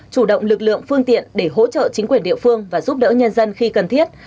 chủ động lực lượng phương tiện để hỗ trợ chính quyền địa phương và giúp đỡ nhân dân khi cần thiết